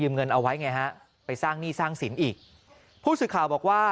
เงินเอาไว้ไงฮะไปสร้างหนี้สร้างสินอีกผู้สื่อข่าวบอกว่า